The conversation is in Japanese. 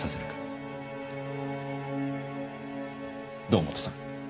堂本さん。